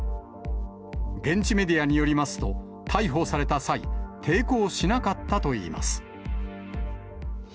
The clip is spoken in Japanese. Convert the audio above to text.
現地メディアによりますと、逮捕された際、抵抗しなかったといいます。